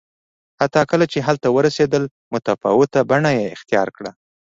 حتی کله چې هلته ورسېدل متفاوته بڼه یې اختیار کړه